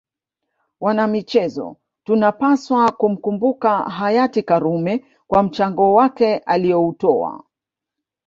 Wanamichezo tunapswa kumkumbuka Hayati Karume kwa mchango wake alioutoa